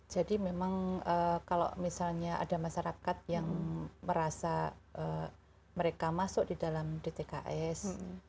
jadi memang kalau misalnya ada masyarakat yang merasa mereka masuk di dalam dtks